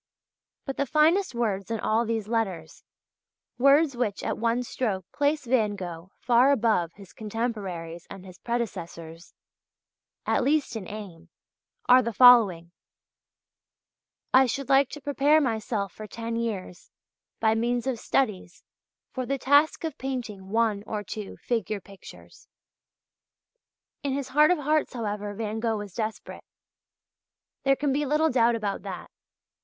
But the finest words in all these letters, words which at one stroke place Van Gogh far above his contemporaries and his predecessors, at least in aim, are the following: "I should like to prepare myself for ten years, by means of studies, for the task of painting one or two figure pictures ..." (page 152). In his heart of hearts, however, Van Gogh was desperate. There can be little doubt about that.